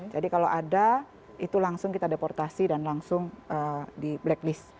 jadi kalau ada itu langsung kita deportasi dan langsung di blacklist